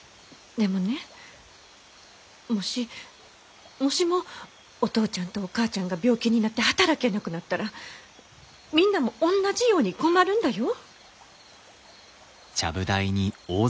でもねもしもしもお父ちゃんとお母ちゃんが病気になって働けなくなったらみんなも同じように困るんだよ。